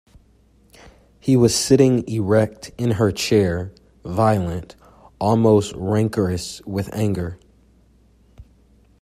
He was sitting erect in her chair, violent, almost rancorous with anger.